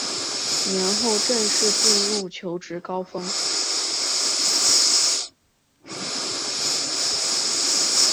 年后正式进入求职高峰